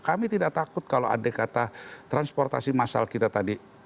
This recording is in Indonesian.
kami tidak takut kalau ada kata transportasi massal kita tadi